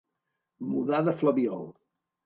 Mudar de flabiol.